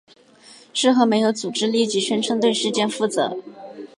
事后没有组织立即宣称对事件负责。